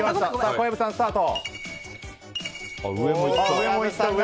小籔さん、スタート。